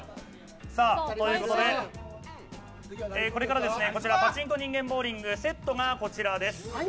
これからですねこちら、パチンコ人間ボウリングセットがこちらです。